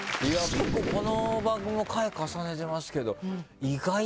結構この番組も回重ねてますけど。